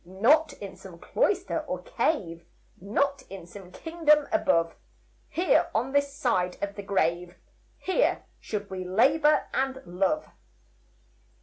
Not in some cloister or cave, Not in some kingdom above, Here, on this side of the grave, Here, should we labor and love.